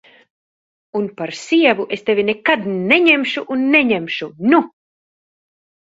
Un par sievu es tevi nekad neņemšu un neņemšu, nu!